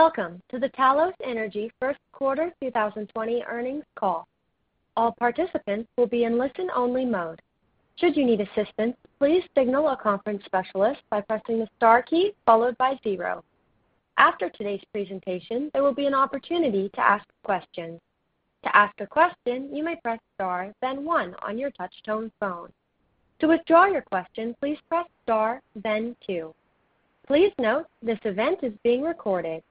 Welcome to the Talos Energy first quarter 2020 earnings call. All participants will be in listen-only mode. Should you need assistance, please signal a conference specialist by pressing the star key followed by zero. After today's presentation, there will be an opportunity to ask questions. To ask a question, you may press star, then one on your touch-tone phone. To withdraw your question, please press star, then two. Please note this event is being recorded.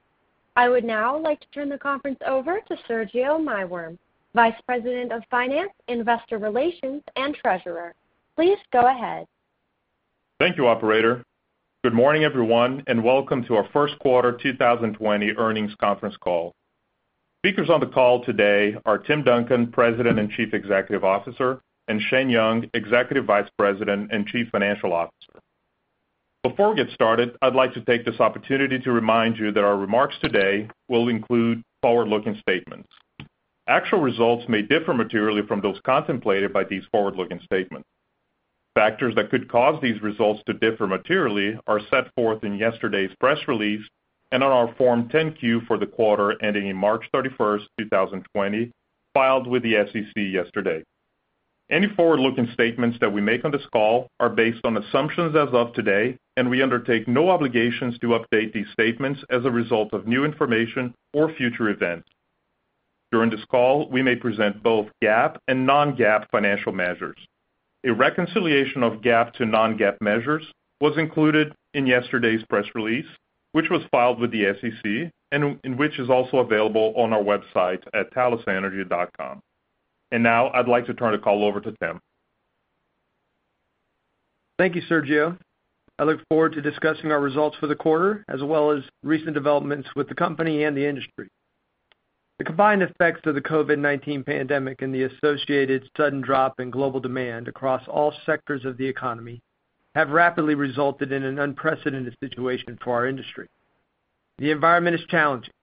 I would now like to turn the conference over to Sergio Maiworm, Vice President of Finance, Investor Relations, and Treasurer. Please go ahead. Thank you, operator. Good morning, everyone, and welcome to our first quarter 2020 earnings conference call. Speakers on the call today are Tim Duncan, President and Chief Executive Officer, and Shane Young, Executive Vice President and Chief Financial Officer. Before we get started, I'd like to take this opportunity to remind you that our remarks today will include forward-looking statements. Actual results may differ materially from those contemplated by these forward-looking statements. Factors that could cause these results to differ materially are set forth in yesterday's press release and on our Form 10-Q for the quarter ending March 31st, 2020, filed with the SEC yesterday. Any forward-looking statements that we make on this call are based on assumptions as of today, and we undertake no obligations to update these statements as a result of new information or future events. During this call, we may present both GAAP and non-GAAP financial measures. A reconciliation of GAAP to non-GAAP measures was included in yesterday's press release, which was filed with the SEC and which is also available on our website at talosenergy.com. Now I'd like to turn the call over to Tim. Thank you, Sergio. I look forward to discussing our results for the quarter, as well as recent developments with the company and the industry. The combined effects of the COVID-19 pandemic and the associated sudden drop in global demand across all sectors of the economy have rapidly resulted in an unprecedented situation for our industry. The environment is challenging,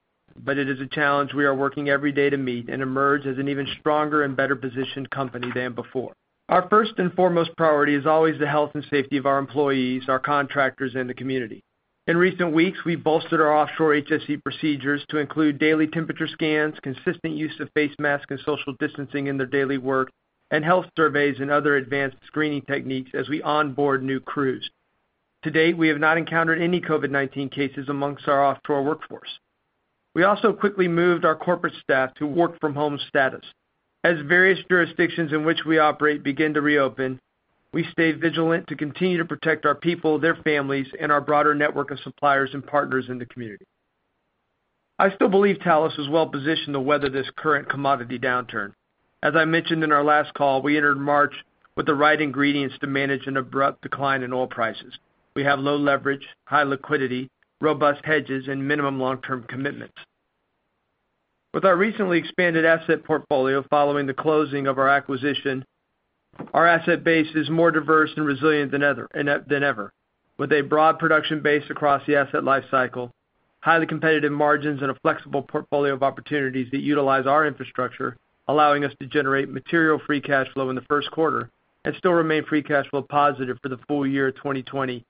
but it is a challenge we are working every day to meet and emerge as an even stronger and better-positioned company than before. Our first and foremost priority is always the health and safety of our employees, our contractors, and the community. In recent weeks, we've bolstered our offshore HSE procedures to include daily temperature scans, consistent use of face masks and social distancing in their daily work, and health surveys and other advanced screening techniques as we onboard new crews. To date, we have not encountered any COVID-19 cases amongst our offshore workforce. We also quickly moved our corporate staff to work-from-home status. As various jurisdictions in which we operate begin to reopen, we stay vigilant to continue to protect our people, their families, and our broader network of suppliers and partners in the community. I still believe Talos is well-positioned to weather this current commodity downturn. As I mentioned in our last call, we entered March with the right ingredients to manage an abrupt decline in oil prices. We have low leverage, high liquidity, robust hedges, and minimum long-term commitments. With our recently expanded asset portfolio following the closing of our acquisition, our asset base is more diverse and resilient than ever, with a broad production base across the asset life cycle, highly competitive margins, and a flexible portfolio of opportunities that utilize our infrastructure, allowing us to generate material free cash flow in the first quarter and still remain free cash flow positive for the full year 2020,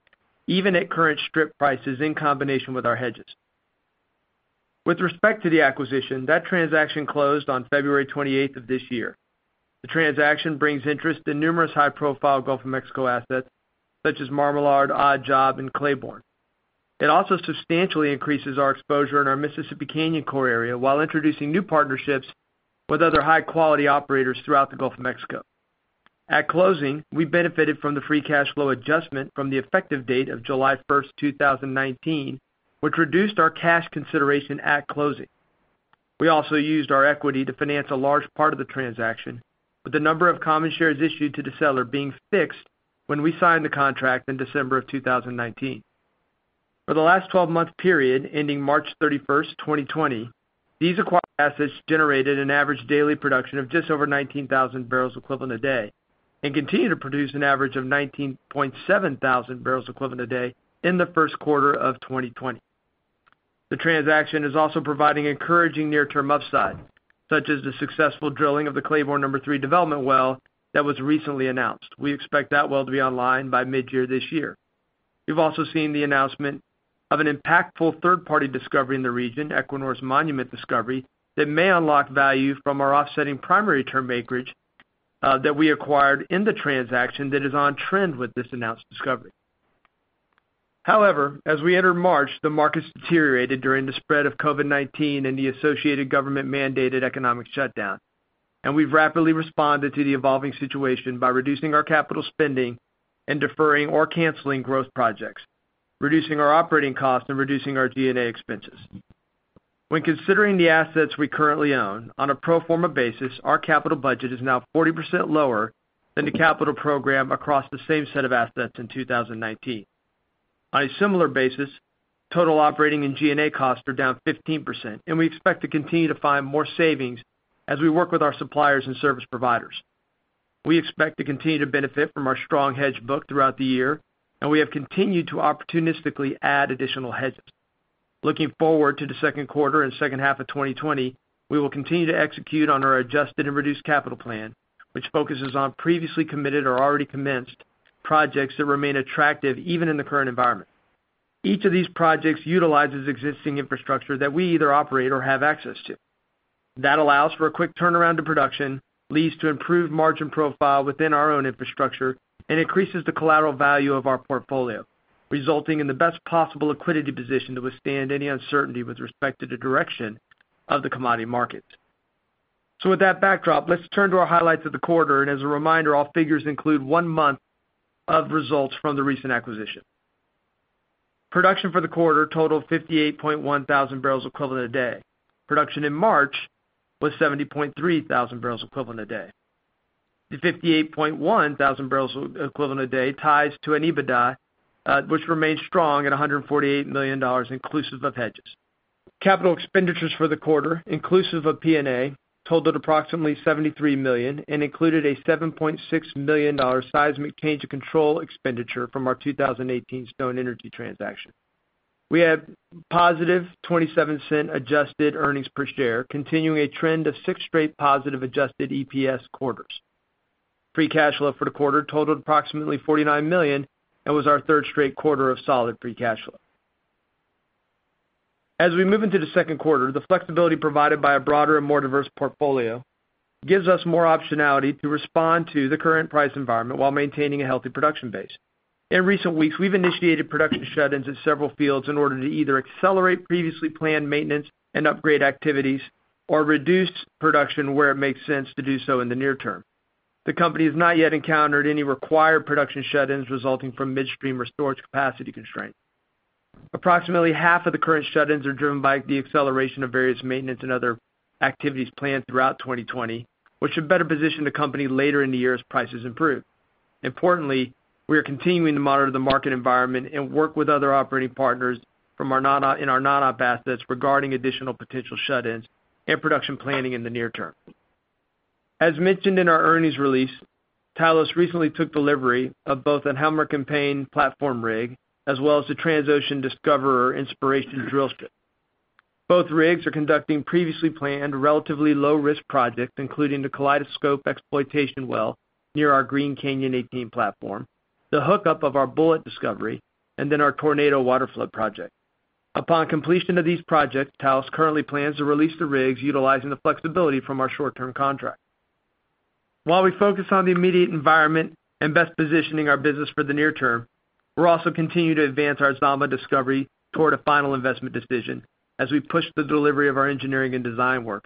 even at current strip prices in combination with our hedges. With respect to the acquisition, that transaction closed on February 28th of this year. The transaction brings interest in numerous high-profile Gulf of Mexico assets, such as Marmalard, Odd Job, and Claiborne. It also substantially increases our exposure in our Mississippi Canyon core area while introducing new partnerships with other high-quality operators throughout the Gulf of Mexico. At closing, we benefited from the free cash flow adjustment from the effective date of July 1st, 2019, which reduced our cash consideration at closing. We also used our equity to finance a large part of the transaction, with the number of common shares issued to the seller being fixed when we signed the contract in December of 2019. For the last 12-month period ending March 31st, 2020, these acquired assets generated an average daily production of just over 19,000 Boe/d and continue to produce an average of 19.7 thousand Boe/d in the first quarter of 2020. The transaction is also providing encouraging near-term upside, such as the successful drilling of the Claiborne number 3 development well that was recently announced. We expect that well to be online by mid-year this year. We've also seen the announcement of an impactful third-party discovery in the region, Equinor's Monument discovery, that may unlock value from our offsetting primary term acreage that we acquired in the transaction that is on trend with this announced discovery. However, as we entered March, the markets deteriorated during the spread of COVID-19 and the associated government-mandated economic shutdown, and we've rapidly responded to the evolving situation by reducing our capital spending and deferring or canceling growth projects, reducing our operating costs, and reducing our G&A expenses. When considering the assets we currently own, on a pro forma basis, our capital budget is now 40% lower than the capital program across the same set of assets in 2019. On a similar basis, total operating and G&A costs are down 15%, and we expect to continue to find more savings as we work with our suppliers and service providers. We expect to continue to benefit from our strong hedge book throughout the year, and we have continued to opportunistically add additional hedges. Looking forward to the second quarter and second half of 2020, we will continue to execute on our adjusted and reduced capital plan, which focuses on previously committed or already commenced projects that remain attractive even in the current environment. Each of these projects utilizes existing infrastructure that we either operate or have access to. That allows for a quick turnaround to production, leads to improved margin profile within our own infrastructure, and increases the collateral value of our portfolio, resulting in the best possible liquidity position to withstand any uncertainty with respect to the direction of the commodity markets. With that backdrop, let's turn to our highlights of the quarter, and as a reminder, all figures include one month of results from the recent acquisition. Production for the quarter totaled 58.1 thousand Boe/d. Production in March was 70.3 thousand Boe/d. The 58.1 thousand Boe/d ties to an EBITDA, which remains strong at $148 million, inclusive of hedges. Capital expenditures for the quarter, inclusive of P&A, totaled approximately $73 million and included a $7.6 million seismic change of control expenditure from our 2018 Stone Energy transaction. We had positive $0.27 adjusted earnings per share, continuing a trend of six straight positive adjusted EPS quarters. Free cash flow for the quarter totaled approximately $49 million and was our third straight quarter of solid free cash flow. As we move into the second quarter, the flexibility provided by a broader and more diverse portfolio gives us more optionality to respond to the current price environment while maintaining a healthy production base. In recent weeks, we've initiated production shut-ins at several fields in order to either accelerate previously planned maintenance and upgrade activities or reduce production where it makes sense to do so in the near term. The company has not yet encountered any required production shut-ins resulting from midstream or storage capacity constraints. Approximately half of the current shut-ins are driven by the acceleration of various maintenance and other activities planned throughout 2020, which should better position the company later in the year as prices improve. Importantly, we are continuing to monitor the market environment and work with other operating partners in our non-op assets regarding additional potential shut-ins and production planning in the near term. As mentioned in our earnings release, Talos recently took delivery of both the Helmerich & Payne platform rig as well as the Transocean Discoverer Inspiration drill ship. Both rigs are conducting previously planned, relatively low-risk projects, including the Kaleidoscope exploitation well near our Green Canyon 18 platform, the hookup of our Bulleit discovery, and then our Tornado water flood project. Upon completion of these projects, Talos currently plans to release the rigs utilizing the flexibility from our short-term contract. While we focus on the immediate environment and best positioning our business for the near term, we'll also continue to advance our Zama discovery toward a final investment decision as we push the delivery of our engineering and design work.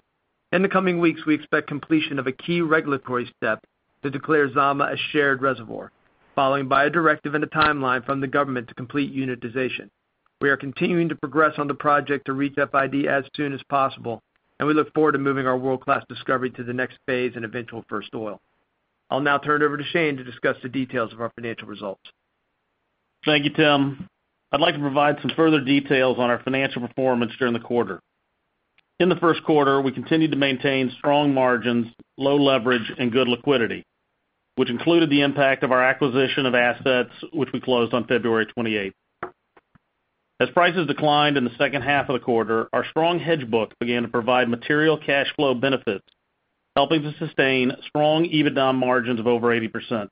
In the coming weeks, we expect completion of a key regulatory step to declare Zama a shared reservoir, following by a directive and a timeline from the government to complete unitization. We are continuing to progress on the project to reach FID as soon as possible, and we look forward to moving our world-class discovery to the next phase and eventual first oil. I'll now turn it over to Shane to discuss the details of our financial results. Thank you, Tim. I'd like to provide some further details on our financial performance during the quarter. In the first quarter, we continued to maintain strong margins, low leverage, and good liquidity, which included the impact of our acquisition of assets, which we closed on February 28th. As prices declined in the second half of the quarter, our strong hedge book began to provide material cash flow benefits, helping to sustain strong EBITDA margins of over 80%,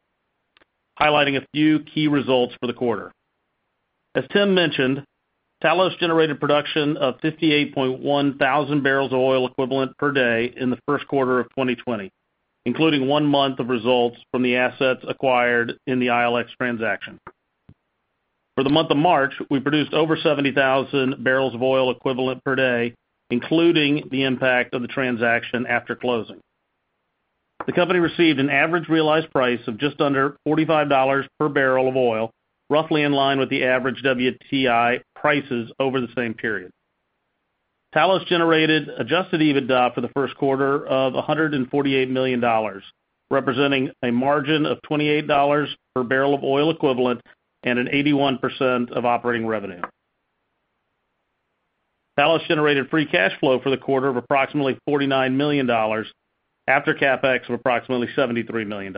highlighting a few key results for the quarter. As Tim mentioned, Talos generated production of 58.1 thousand Boe/d in the first quarter of 2020, including one month of results from the assets acquired in the ILX transaction. For the month of March, we produced over 70,000 Boe/d, including the impact of the transaction after closing. The company received an average realized price of just under $45 per barrel of oil, roughly in line with the average WTI prices over the same period. Talos generated adjusted EBITDA for the first quarter of $148 million, representing a margin of $28 per barrel of oil equivalent and an 81% of operating revenue. Talos generated free cash flow for the quarter of approximately $49 million after CapEx of approximately $73 million.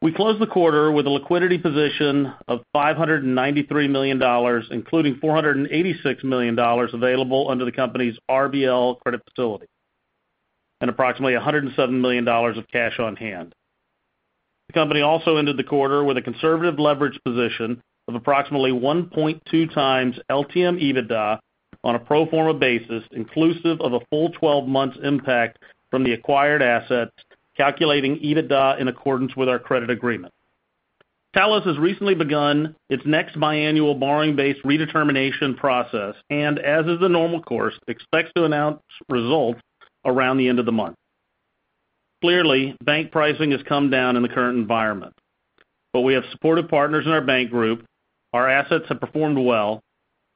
We closed the quarter with a liquidity position of $593 million, including $486 million available under the company's RBL credit facility and approximately $107 million of cash on hand. The company also ended the quarter with a conservative leverage position of approximately 1.2x LTM EBITDA on a pro forma basis, inclusive of a full 12 months impact from the acquired assets, calculating EBITDA in accordance with our credit agreement. Talos has recently begun its next biannual borrowing base redetermination process, and as is the normal course, expects to announce results around the end of the month. Clearly, bank pricing has come down in the current environment, but we have supportive partners in our bank group, our assets have performed well,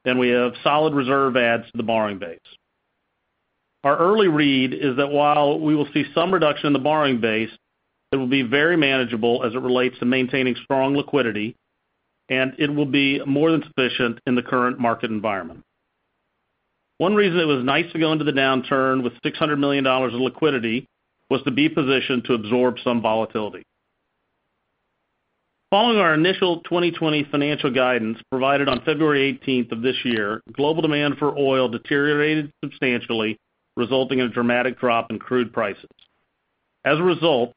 and we have solid reserve adds to the borrowing base. Our early read is that while we will see some reduction in the borrowing base, it will be very manageable as it relates to maintaining strong liquidity, and it will be more than sufficient in the current market environment. One reason it was nice to go into the downturn with $600 million in liquidity was to be positioned to absorb some volatility. Following our initial 2020 financial guidance provided on February 18th of this year, global demand for oil deteriorated substantially, resulting in a dramatic drop in crude prices. As a result,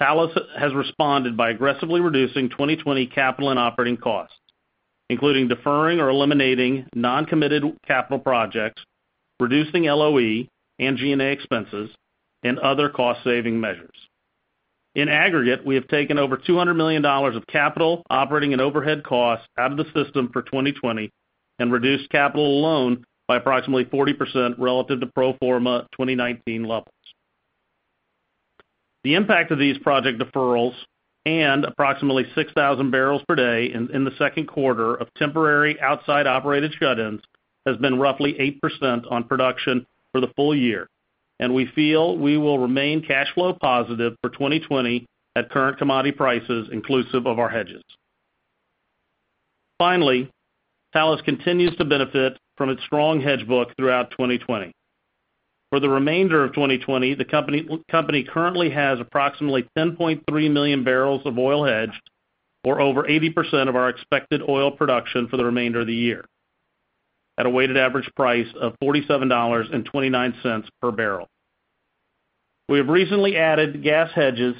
Talos has responded by aggressively reducing 2020 capital and operating costs, including deferring or eliminating non-committed capital projects, reducing LOE and G&A expenses, and other cost-saving measures. In aggregate, we have taken over $200 million of capital, operating, and overhead costs out of the system for 2020 and reduced capital alone by approximately 40% relative to pro forma 2019 levels. The impact of these project deferrals and approximately 6,000 bbl per day in the second quarter of temporary outside-operated shut-ins has been roughly 8% on production for the full year, and we feel we will remain cash flow positive for 2020 at current commodity prices inclusive of our hedges. Finally, Talos continues to benefit from its strong hedge book throughout 2020. For the remainder of 2020, the company currently has approximately 10.3 million bbl of oil hedged, or over 80% of our expected oil production for the remainder of the year, at a weighted average price of $47.29 per barrel. We have recently added gas hedges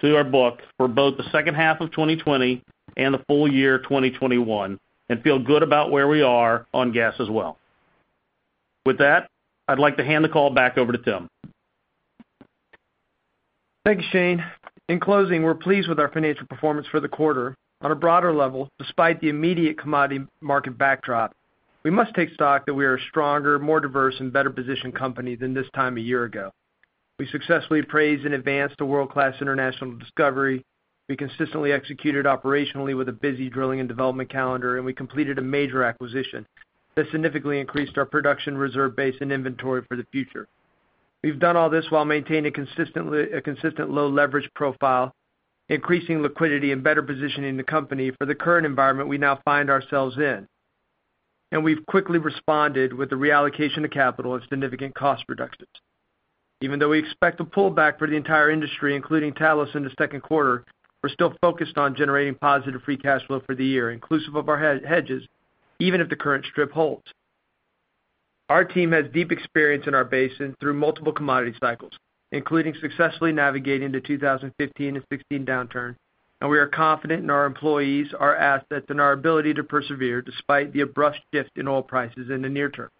to our book for both the second half of 2020 and the full year 2021, and feel good about where we are on gas as well. With that, I'd like to hand the call back over to Tim. Thanks, Shane. In closing, we're pleased with our financial performance for the quarter. On a broader level, despite the immediate commodity market backdrop, we must take stock that we are a stronger, more diverse, and better-positioned company than this time a year ago. We successfully appraised in advance to world-class international discovery. We consistently executed operationally with a busy drilling and development calendar, and we completed a major acquisition that significantly increased our production reserve base and inventory for the future. We've done all this while maintaining a consistent low leverage profile, increasing liquidity, and better positioning the company for the current environment we now find ourselves in. We've quickly responded with the reallocation of capital and significant cost reductions. Even though we expect a pullback for the entire industry, including Talos, in the second quarter, we're still focused on generating positive free cash flow for the year, inclusive of our hedges, even if the current strip holds. Our team has deep experience in our basin through multiple commodity cycles, including successfully navigating the 2015 and 2016 downturn, and we are confident in our employees, our assets, and our ability to persevere despite the abrupt shift in oil prices in the near term.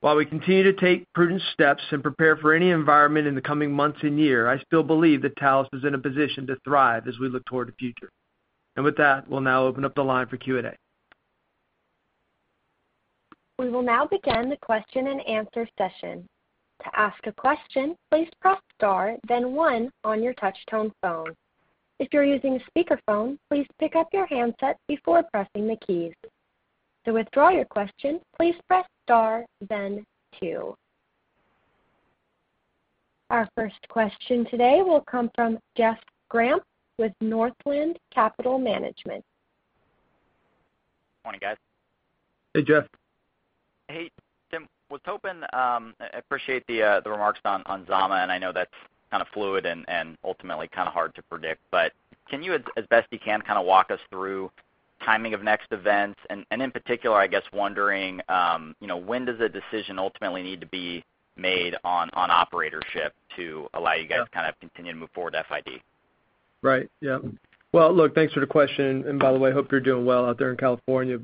While we continue to take prudent steps and prepare for any environment in the coming months and year, I still believe that Talos is in a position to thrive as we look toward the future. With that, we'll now open up the line for Q&A. We will now begin the question-and-answer session. To ask a question, please press star then one on your touch-tone phone. If you're using a speakerphone, please pick up your handset before pressing the keys. To withdraw your question, please press star then two. Our first question today will come from Jeff Grampp with Northland Capital Markets. Morning, guys. Hey, Jeff. Hey, Tim. I appreciate the remarks on Zama, and I know that's kind of fluid and ultimately kind of hard to predict, but can you, as best you can, walk us through timing of next events? In particular, I guess, wondering when does a decision ultimately need to be made on operatorship to allow you guys to kind of continue to move forward FID? Right. Yeah. Well, look, thanks for the question, and by the way, hope you're doing well out there in California.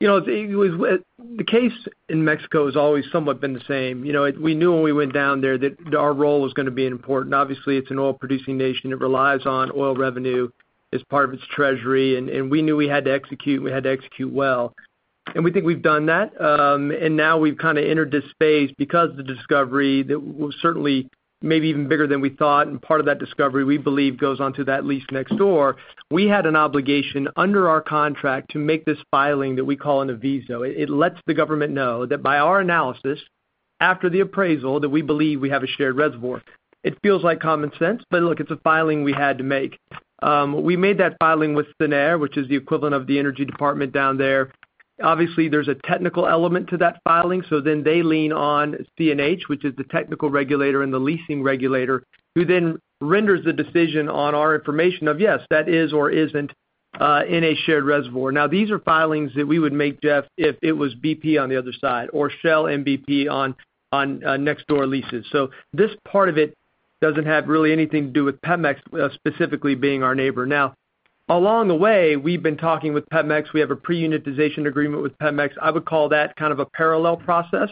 The case in Mexico has always somewhat been the same. We knew when we went down there that our role was going to be important. Obviously, it's an oil-producing nation. It relies on oil revenue as part of its treasury, and we knew we had to execute, and we had to execute well. We think we've done that. Now we've kind of entered this phase because the discovery that was certainly maybe even bigger than we thought, and part of that discovery, we believe, goes onto that lease next door. We had an obligation under our contract to make this filing that we call an Aviso. It lets the government know that by our analysis, after the appraisal, that we believe we have a shared reservoir. It feels like common sense, look, it's a filing we had to make. We made that filing with SENER, which is the equivalent of the energy department down there. Obviously, there's a technical element to that filing, they lean on CNH, which is the technical regulator and the leasing regulator, who then renders the decision on our information of, yes, that is or isn't in a shared reservoir. These are filings that we would make, Jeff, if it was BP on the other side or Shell and BP on next-door leases. This part of it doesn't have really anything to do with Pemex specifically being our neighbor. Along the way, we've been talking with Pemex. We have a pre-unitization agreement with Pemex. I would call that kind of a parallel process,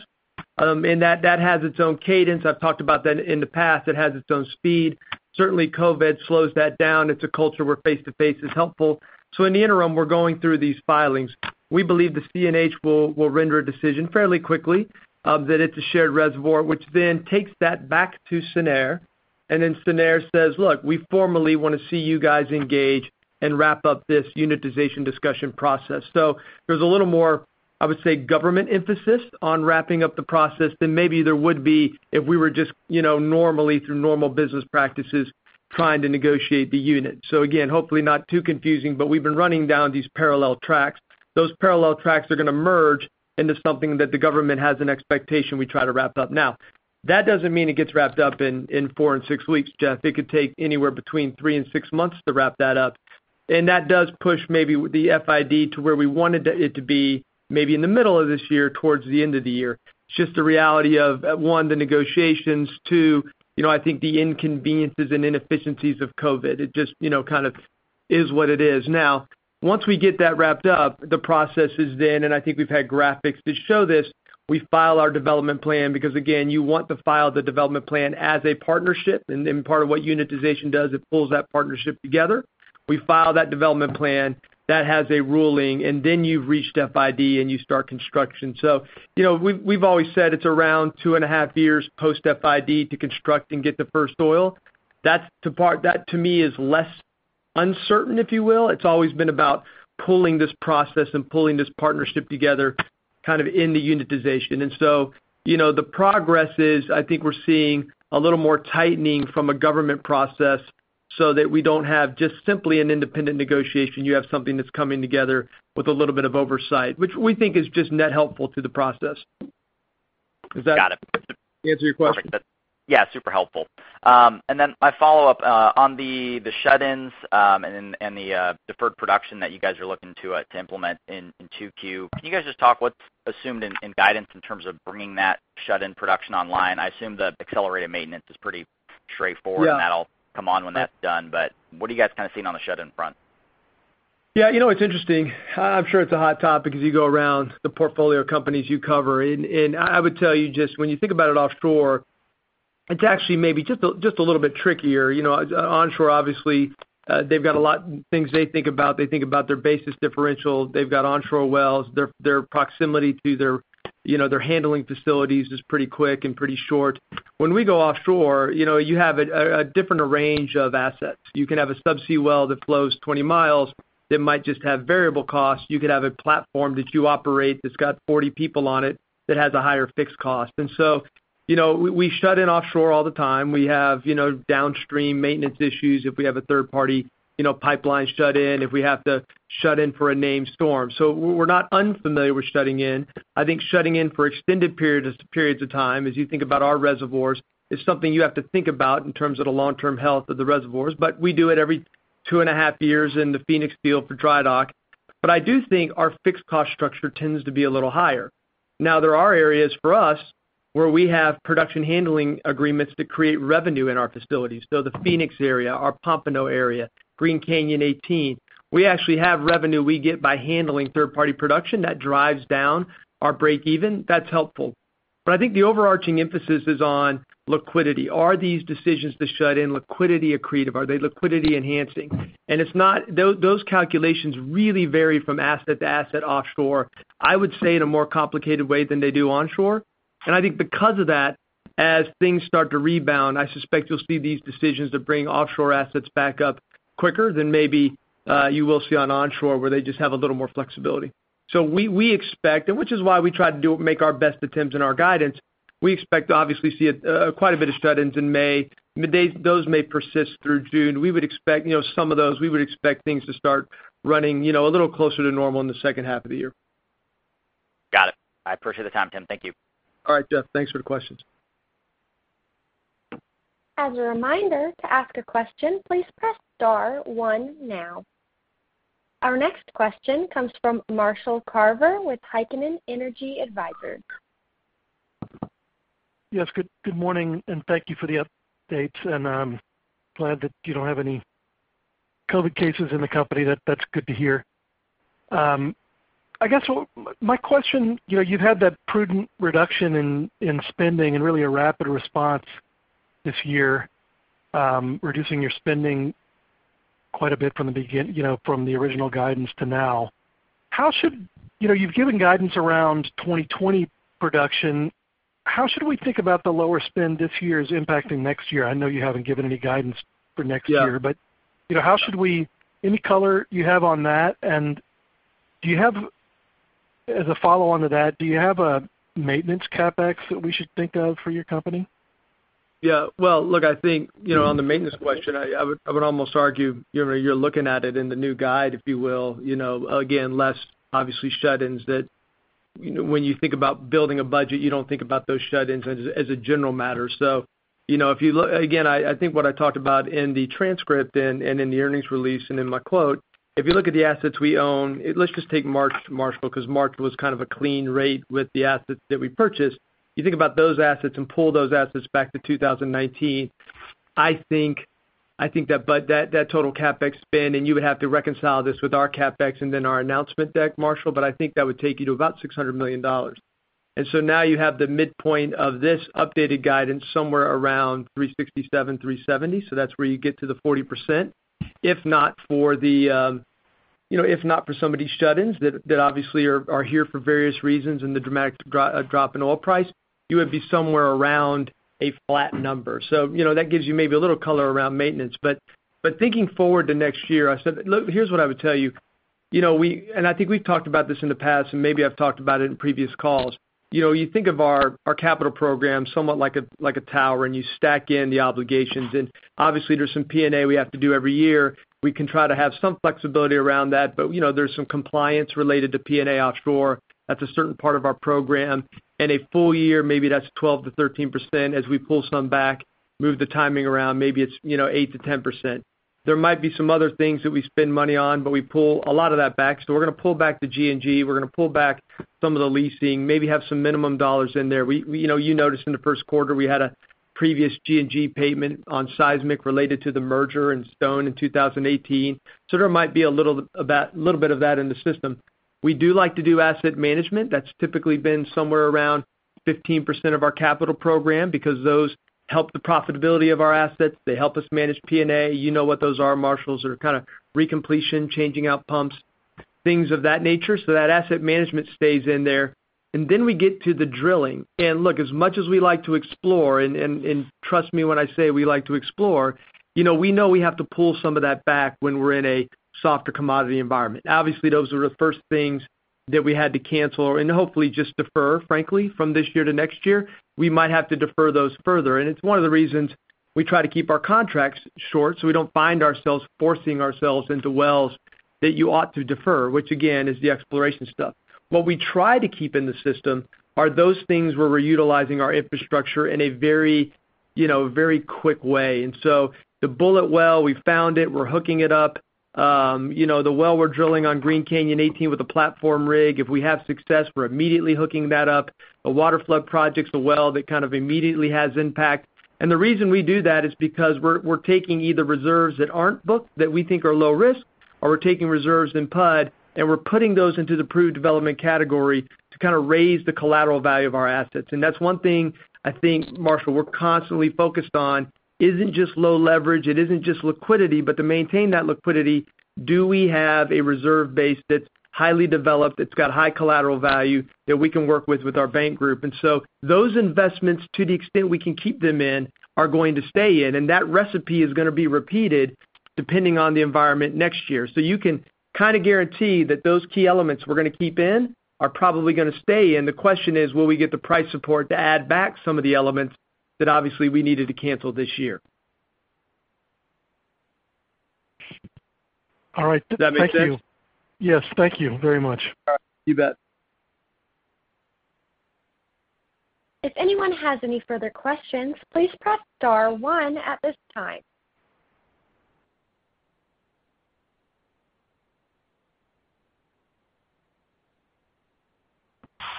in that that has its own cadence. I've talked about that in the past. It has its own speed. Certainly, COVID slows that down. It's a culture where face-to-face is helpful. In the interim, we're going through these filings. We believe the CNH will render a decision fairly quickly that it's a shared reservoir, which then takes that back to SENER, and then SENER says, "Look, we formally want to see you guys engage and wrap up this unitization discussion process." There's a little more, I would say, government emphasis on wrapping up the process than maybe there would be if we were just normally through normal business practices trying to negotiate the unit. Hopefully not too confusing, but we've been running down these parallel tracks. Those parallel tracks are going to merge into something that the government has an expectation we try to wrap up now. That doesn't mean it gets wrapped up in four and six weeks, Jeff. It could take anywhere between three and six months to wrap that up. That does push maybe the FID to where we wanted it to be, maybe in the middle of this year, towards the end of the year. It's just the reality of, one, the negotiations. Two, I think the inconveniences and inefficiencies of COVID. It just kind of is what it is. Now, once we get that wrapped up, the process is then, and I think we've had graphics that show this, we file our development plan because, again, you want to file the development plan as a partnership, and part of what unitization does, it pulls that partnership together. We file that development plan. That has a ruling, and then you've reached FID, and you start construction. We've always said it's around two and a half years post-FID to construct and get to first oil. That, to me, is less uncertain, if you will. It's always been about pulling this process and pulling this partnership together, kind of in the unitization. The progress is, I think we're seeing a little more tightening from a government process so that we don't have just simply an independent negotiation. You have something that's coming together with a little bit of oversight, which we think is just net helpful to the process. Does that? Got it. answer your question? Perfect. Yeah, super helpful. My follow-up on the shut-ins and the deferred production that you guys are looking to implement in 2Q. Can you guys just talk what's assumed in guidance in terms of bringing that shut-in production online? I assume the accelerated maintenance is pretty straightforward- Yeah That'll come on when that's done, but what are you guys kind of seeing on the shut-in front? Yeah. It's interesting. I'm sure it's a hot topic as you go around the portfolio companies you cover. I would tell you just, when you think about it offshore, it's actually maybe just a little bit trickier. Onshore, obviously, they've got a lot things they think about. They think about their basis differential. They've got onshore wells. Their proximity to their handling facilities is pretty quick and pretty short. When we go offshore, you have a different range of assets. You can have a subsea well that flows 20 miles that might just have variable costs. You could have a platform that you operate that's got 40 people on it that has a higher fixed cost. We shut in offshore all the time. We have downstream maintenance issues if we have a third-party pipeline shut-in, if we have to shut in for a named storm. We're not unfamiliar with shutting in. I think shutting in for extended periods of time, as you think about our reservoirs, is something you have to think about in terms of the long-term health of the reservoirs. We do it every two and a half years in the Phoenix field for dry dock. I do think our fixed cost structure tends to be a little higher. There are areas for us where we have production handling agreements that create revenue in our facilities. The Phoenix area, our Pompano area, Green Canyon 18. We actually have revenue we get by handling third-party production. That drives down our break-even. That's helpful. I think the overarching emphasis is on liquidity. Are these decisions to shut in liquidity accretive? Are they liquidity-enhancing? Those calculations really vary from asset to asset offshore, I would say in a more complicated way than they do onshore. I think because of that, as things start to rebound, I suspect you'll see these decisions to bring offshore assets back up quicker than maybe you will see on onshore, where they just have a little more flexibility. We expect, and which is why we try to make our best attempts in our guidance, we expect to obviously see quite a bit of shut-ins in May. Those may persist through June. We would expect some of those. We would expect things to start running a little closer to normal in the second half of the year. Got it. I appreciate the time, Tim. Thank you. All right, Jeff. Thanks for the questions. As a reminder, to ask a question, please press star one now. Our next question comes from Marshall Carver with Heikkinen Energy Advisors. Yes. Good morning, thank you for the updates, and I'm glad that you don't have any COVID cases in the company. That's good to hear. I guess my question, you've had that prudent reduction in spending and really a rapid response this year, reducing your spending quite a bit from the original guidance to now. You've given guidance around 2020 production. How should we think about the lower spend this year as impacting next year? I know you haven't given any guidance for next year. Yeah. Any color you have on that? As a follow-on to that, do you have a maintenance CapEx that we should think of for your company? Well, look, I think, on the maintenance question, I would almost argue, you're looking at it in the new guide, if you will. Again, less obviously, shut-ins that when you think about building a budget, you don't think about those shut-ins as a general matter. Again, I think what I talked about in the transcript and in the earnings release and in my quote, if you look at the assets we own, let's just take March, Marshall, because March was kind of a clean rate with the assets that we purchased. You think about those assets and pull those assets back to 2019. I think that total CapEx spend, and you would have to reconcile this with our CapEx and then our announcement deck, Marshall. I think that would take you to about $600 million. Now you have the midpoint of this updated guidance somewhere around $367, $370. That's where you get to the 40%. If not for some of these shut-ins that obviously are here for various reasons, and the dramatic drop in oil price, you would be somewhere around a flat number. That gives you maybe a little color around maintenance. Thinking forward to next year, here's what I would tell you. I think we've talked about this in the past, and maybe I've talked about it in previous calls. You think of our capital program somewhat like a tower, and you stack in the obligations. Obviously, there's some P&A we have to do every year. We can try to have some flexibility around that, but there's some compliance related to P&A offshore. That's a certain part of our program. In a full year, maybe that's 12%-13%. We pull some back, move the timing around, maybe it's 8%-10%. There might be some other things that we spend money on, we pull a lot of that back. We're going to pull back the G&G. We're going to pull back some of the leasing, maybe have some minimum dollars in there. You noticed in the first quarter, we had a previous G&G payment on seismic related to the merger in Stone in 2018. There might be a little bit of that in the system. We do like to do asset management. That's typically been somewhere around 15% of our capital program because those help the profitability of our assets. They help us manage P&A. You know what those are, Marshall. They're kind of re-completion, changing out pumps, things of that nature. That asset management stays in there. Then we get to the drilling. Look, as much as we like to explore, and trust me when I say we like to explore, we know we have to pull some of that back when we're in a softer commodity environment. Obviously, those are the first things that we had to cancel and hopefully just defer, frankly, from this year to next year. We might have to defer those further. It's one of the reasons we try to keep our contracts short so we don't find ourselves forcing ourselves into wells that you ought to defer, which again, is the exploration stuff. What we try to keep in the system are those things where we're utilizing our infrastructure in a very quick way. So the Bulleit well, we found it. We're hooking it up. The well we're drilling on Green Canyon 18 with a platform rig, if we have success, we're immediately hooking that up. The Waterflood project's a well that kind of immediately has impact. The reason we do that is because we're taking either reserves that aren't booked, that we think are low risk, or we're taking reserves in PUD, and we're putting those into the proved development category to kind of raise the collateral value of our assets. That's one thing I think, Marshall, we're constantly focused on isn't just low leverage, it isn't just liquidity, but to maintain that liquidity, do we have a reserve base that's highly developed, it's got high collateral value that we can work with our bank group? Those investments, to the extent we can keep them in, are going to stay in, and that recipe is going to be repeated depending on the environment next year. You can kind of guarantee that those key elements we're going to keep in are probably going to stay in. The question is, will we get the price support to add back some of the elements that obviously we needed to cancel this year? All right. Thank you. Does that make sense? Yes. Thank you very much. All right. You bet. If anyone has any further questions, please press star one at this time.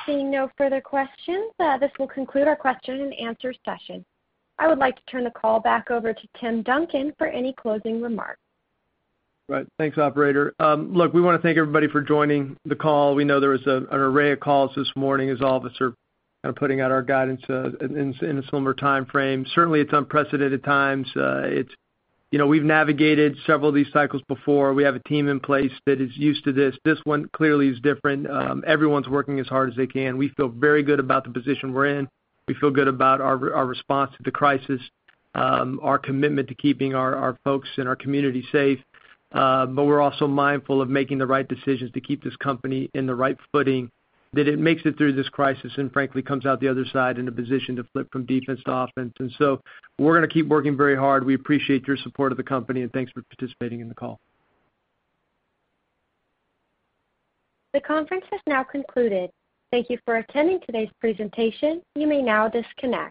Seeing no further questions, this will conclude our question-and-answer session. I would like to turn the call back over to Tim Duncan for any closing remarks. Right. Thanks, operator. Look, we want to thank everybody for joining the call. We know there was an array of calls this morning as all of us are kind of putting out our guidance in a slimmer timeframe. Certainly, it's unprecedented times. We've navigated several of these cycles before. We have a team in place that is used to this. This one clearly is different. Everyone's working as hard as they can. We feel very good about the position we're in. We feel good about our response to the crisis, our commitment to keeping our folks and our community safe. We're also mindful of making the right decisions to keep this company in the right footing, that it makes it through this crisis and frankly, comes out the other side in a position to flip from defense to offense. We're going to keep working very hard. We appreciate your support of the company, and thanks for participating in the call. The conference has now concluded. Thank you for attending today's presentation. You may now disconnect.